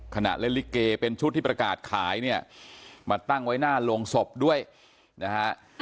ขณะเล่นลิเกเป็นชุดที่ประกาศขายเนี่ยมาตั้งไว้หน้าโรงศพด้วยนะฮะ